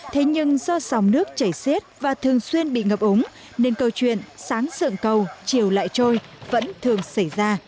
thế nhưng do sòng nước chảy xiết và thường xuyên bị ngập ống nên câu chuyện sáng sượng cầu chiều lại trôi vẫn thường xảy ra